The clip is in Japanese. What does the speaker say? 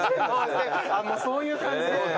もうそういう感じですか？